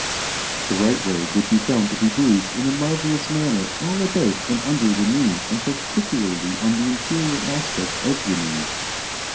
The right leg would be found to be bruised in a marvellous manner all about and under the knee, and particularly on the interior aspect of the knee.